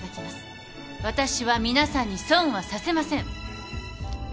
私は皆さんに損はさせません。